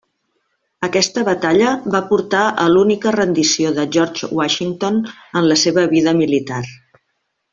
Aquesta batalla va portar a l'única rendició de George Washington en la seva vida militar.